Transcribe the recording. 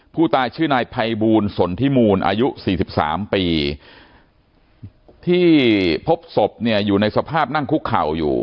ผู้ตายชื่อนายภัยบูลสนทิมูลอายุ๔๓ปีที่พบศพเนี่ยอยู่ในสภาพนั่งคุกเข่าอยู่